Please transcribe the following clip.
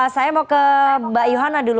saya mau ke mbak yohana dulu